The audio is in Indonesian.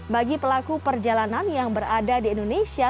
bagi pelaku perjalanan yang berada di indonesia